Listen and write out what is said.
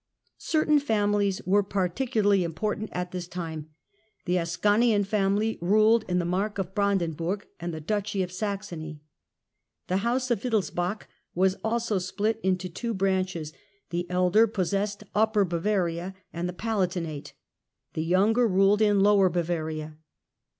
Certain families were particularly important at this time. The Ascanian family ruled in the Mark of Bran denburg and in the Duchy of Saxony. The House of Wittelsbach was also split into two branches ; the elder GERMANY AND THE EMPIRE, 1273 1378 7 possessed Upper Bavaria and the Palatinate ; the younger ruled in Lower Bavaria.